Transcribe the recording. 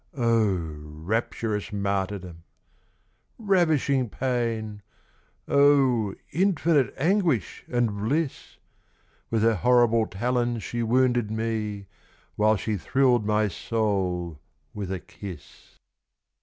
Oh, rapturous martyrdom! ravishing pain! Oh, infinite anguish and bliss! With her horrible talons she wounded me, While she thrilled my soul with a kiss.